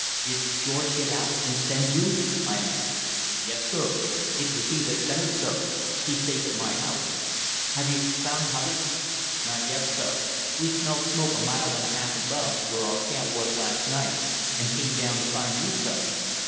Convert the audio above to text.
"Did George get out and send you?" I asked. "Yes, sir; it was he that sent us, sir. He's safe at my house." "Have you found Hubbard?" "Not yet, sir. We smelled smoke a mile and a half above, where our camp was last night, an' came down to find you, sir."